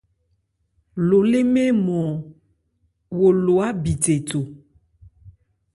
Lo lê mɛ́n ɔ́nmɔn, wo lo ábithe tho.